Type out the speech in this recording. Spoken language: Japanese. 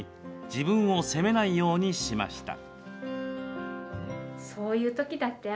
自分を責めないようにしました。